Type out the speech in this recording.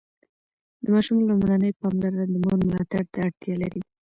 د ماشوم لومړني پاملرنه د مور ملاتړ ته اړتیا لري.